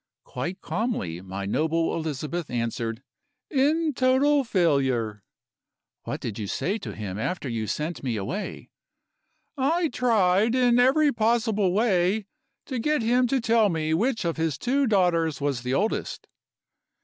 "Quite calmly my noble Elizabeth answered: 'In total failure.' "'What did you say to him after you sent me away?' "'I tried, in every possible way, to get him to tell me which of his two daughters was the oldest.